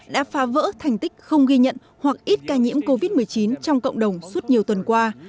đã phá vỡ thành tích không ghi nhận hoặc ít ca nhiễm covid một mươi chín trong cộng đồng suốt nhiều tuần qua